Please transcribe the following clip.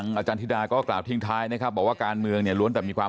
ก็อาจารย์ก็บางทีลึกไป